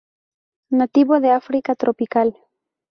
Nativo de África tropical.